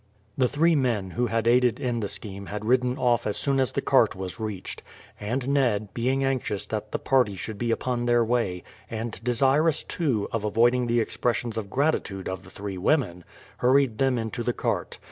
The three men who had aided in the scheme had ridden off as soon as the cart was reached, and Ned, being anxious that the party should be upon their way, and desirous, too, of avoiding the expressions of gratitude of the three women, hurried them into the cart.